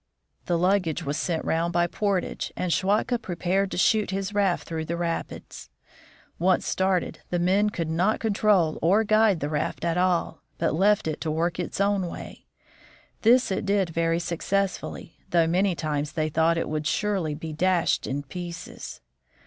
The luggage was sent round by por tage, and Schwatka prepared to shoot his raft through the rapids. Once started, the men could not control or guide the raft at all, but left it to work its own way. This it did very successfully, though many times they thought it would surely be dashed in pieces.